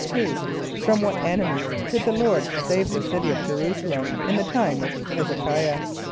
= From what enemies did the Lord save the city of J[+e] r[u:]´s[+a] l[)e]m in the time of H[)e]z e k[=i]´ah?